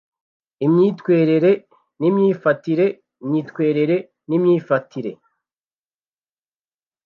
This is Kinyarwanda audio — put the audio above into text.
Imyitwerire n’Imyifetire myitwerire n’Imyifetire